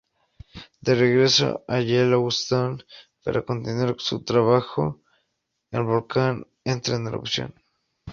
De regreso a Yellowstone para continuar con su trabajo, el volcán entra en erupción.